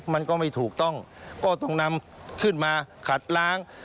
มันก็ไม่ถูกต้องก็ต้องนำขึ้นมาขัดล้าง